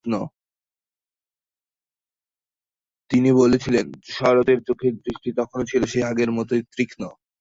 তিনি বলেছিলেন, শরবতের চোখের দৃষ্টি তখনো ছিল সেই আগের মতোই তীক্ষ্ণ।